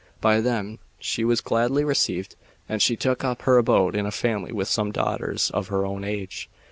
By them she was gladly received, and she took up her abode in a family with some daughters of her own age.